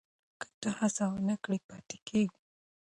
که ته هڅه ونه کړې پاتې کېږې.